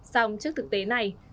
xong trước thực tế này